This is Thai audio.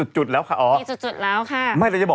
ใช่เอาคำมาพูดหมด